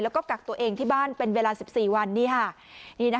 แล้วก็กักตัวเองที่บ้านเป็นเวลา๑๔วันนี่ค่ะ